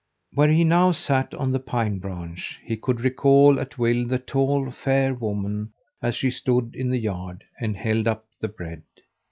Where he now sat on the pine branch he could recall at will the tall, fair woman as she stood in the yard and held up the bread.